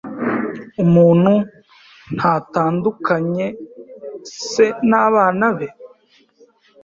Umuntu ntatandukanyua se nabana be